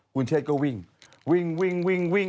คุณเชศก็วิ่งวิ่งวิ่งวิ่ง